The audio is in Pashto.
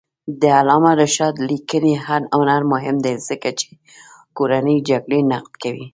د علامه رشاد لیکنی هنر مهم دی ځکه چې کورنۍ جګړې نقد کوي.